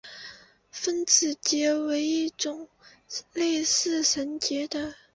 分子结为一种类似绳结的。